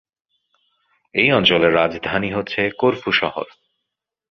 এই অঞ্চলের রাজধানী হচ্ছে করফু শহর।